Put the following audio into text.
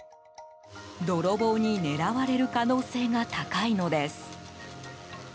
泥棒に狙われる可能性が高いのです。